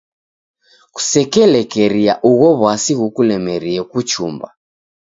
Kusekelekeria ugho w'asi ghukulemerie kuchumba.